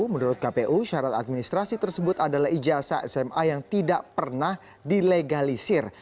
menurut kpu syarat administrasi tersebut adalah ijazah sma yang tidak pernah dilegalisir